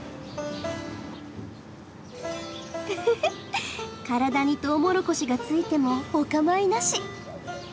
フフフ体にとうもろこしがついてもお構いなし。